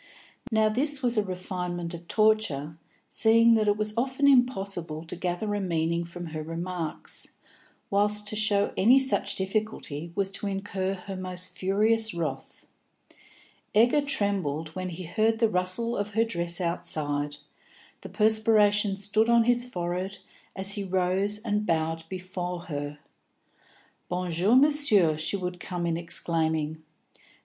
Now this was a refinement of torture, seeing that it was often impossible to gather a meaning from her remarks, whilst to show any such difficulty was to incur her most furious wrath. Egger trembled when he heard the rustle of her dress outside, the perspiration stood on his forehead as he rose and bowed before her. "Bon jour, Monsieur," she would come in exclaiming.